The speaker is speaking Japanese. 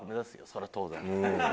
それは当然。